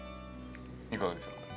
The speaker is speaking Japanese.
いかがでしょうか？